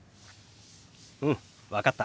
うん分かった。